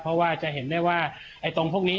เพราะว่าจะเห็นได้ว่าไอ้ตรงพวกนี้